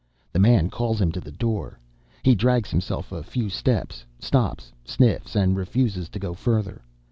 The man calls him to the door. He drags himself a few steps, stops, sniffs, and refuses to go further.